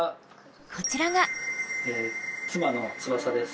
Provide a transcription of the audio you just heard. こちらが妻のつばさです。